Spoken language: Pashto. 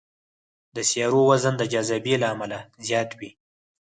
د سیارو وزن د جاذبې له امله زیات وي.